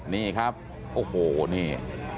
นี่ครับโอ้โหนี่